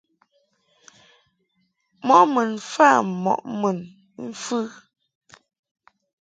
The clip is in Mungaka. Mɔʼ mun mfa mɔʼ mun mfɨ.